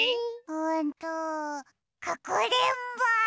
うんとかくれんぼ！